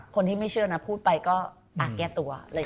คนที่ไม่เชื่อเราพูดไปก็อาแก้ตัวเลย